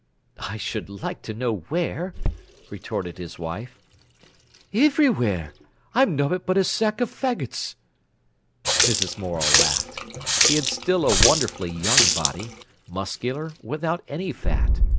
"I should like to know where," retorted his wife. "Iv'ry wheer! I'm nobbut a sack o' faggots." Mrs. Morel laughed. He had still a wonderfully young body, muscular, without any fat.